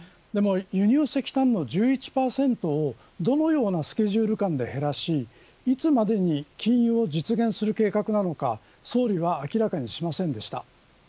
輸入石炭の１１％をどのようなスケジュール管理で減らしいつまでに禁輸を実現する計画なのか総理は明らかにしませんでした。